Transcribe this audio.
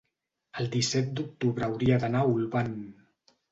el disset d'octubre hauria d'anar a Olvan.